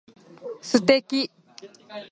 素敵